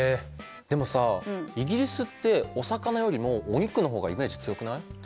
でもさイギリスってお魚よりもお肉の方がイメージ強くない？